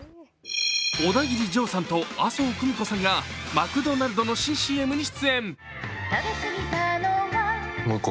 オダギリジョーさんと麻生久美子さんがマクドナルドの新ＣＭに出演。